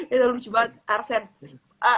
itu lucu banget arsene